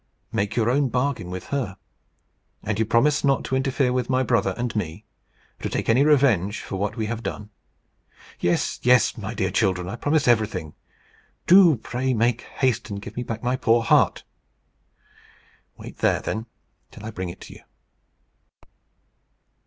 Make your own bargain with her. And you promise not to interfere with my brother and me, or to take any revenge for what we have done?" "Yes, yes, my dear children; I promise everything. Do, pray, make haste and give me back my poor heart." "Wait there, then, till I bring it to you."